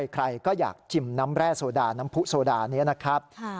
ใครก็อยากชิมน้ำแร่โซดาน้ำผู้โซดานี้นะครับ